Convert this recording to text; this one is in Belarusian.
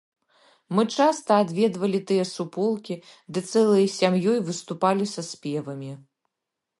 Мы часта адведвалі тыя суполкі ды цэлай сям'ёй выступалі са спевамі.